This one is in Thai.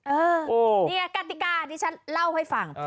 เออนี่ไงกติกาที่ฉันเล่าให้ฟัง